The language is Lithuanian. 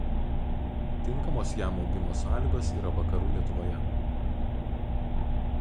Tinkamos jam augimo sąlygos yra vakarų Lietuvoje.